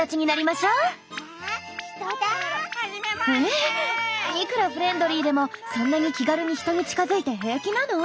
えっいくらフレンドリーでもそんなに気軽にヒトに近づいて平気なの？